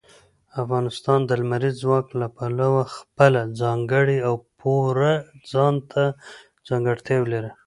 افغانستان د لمریز ځواک له پلوه خپله ځانګړې او پوره ځانته ځانګړتیاوې لري.